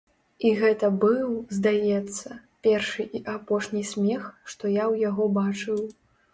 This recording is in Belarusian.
І гэта быў, здаецца, першы і апошні смех, што я ў яго бачыў.